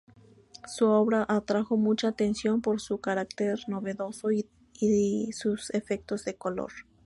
Su obra atrajo mucha atención por su carácter novedoso y sus efectos de color.